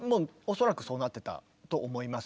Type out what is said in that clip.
恐らくそうなってたと思います。